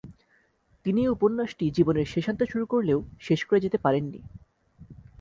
তিনি এ উপন্যাসটি জীবনের শেষান্তে শুরু করলেও শেষ করে যেতে পারেননি।